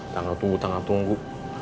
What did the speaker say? tanggal tunggu tanggal tunggu